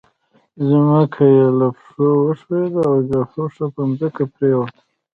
ځمکه يې له پښو وښوېده او بې هوښه پر ځمکه پرېوته.